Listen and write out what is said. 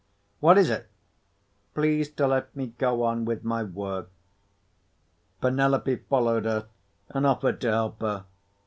"What is it?" "Please to let me go on with my work." Penelope followed her, and offered to help her.